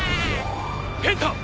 ペンタ！